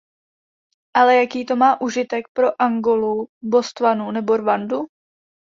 Ale jaký to má užitek pro Angolu, Botswanu nebo Rwandu?